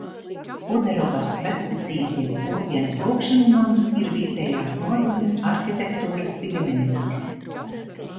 Puderovas vecticībnieku kopienas lūgšanu nams ir vietējās nozīmes arhitektūras piemineklis.